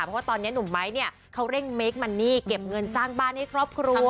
เพราะว่าตอนนี้หนุ่มไม้เนี่ยเขาเร่งเมคมันนี่เก็บเงินสร้างบ้านให้ครอบครัว